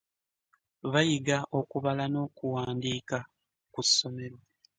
Bayiga okubala n'okuwandiika ku ssomero.